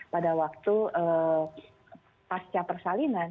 pada waktu pasca persalinan